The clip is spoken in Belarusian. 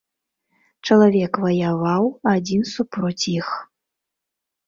Чалавек ваяваў адзін супроць іх.